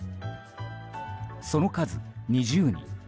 その数２０人。